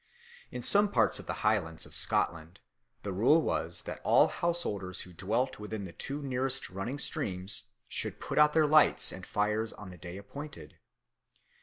In some parts of the Highlands of Scotland the rule was that all householders who dwelt within the two nearest running streams should put out their lights and fires on the day appointed.